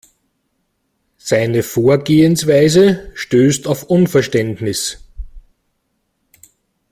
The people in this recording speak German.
Seine Vorgehensweise stößt auf Unverständnis.